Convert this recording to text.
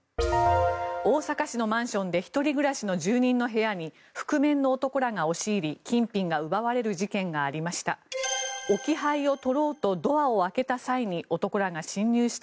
大阪市のマンションで１人暮らしの住人の部屋に覆面の男らが押し入り金品が奪われる事件がありました。